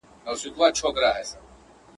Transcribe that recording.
دا جلادان ستا له زاریو سره کار نه لري.